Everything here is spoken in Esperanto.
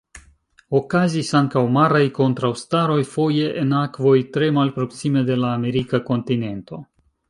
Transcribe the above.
Okazis ankaŭ maraj kontraŭstaroj, foje en akvoj tre malproksime de la amerika kontinento.